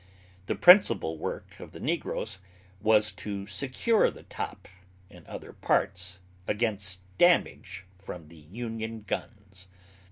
The principal work of the negroes was to secure the top and other parts against the damage from the Union guns.